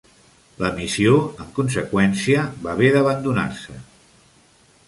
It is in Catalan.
La missió, en conseqüència, va haver d'abandonar-se.